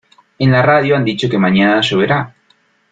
En la radio han dicho que mañana lloverá.